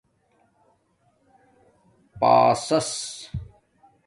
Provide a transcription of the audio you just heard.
پاسس